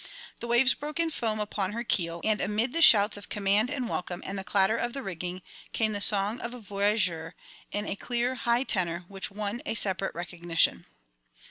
The waves broke in foam upon her keel, and amid the shouts of command and welcome and the clatter of the rigging, came the song of a voyageur, in a clear, high tenor, which won a separate recognition.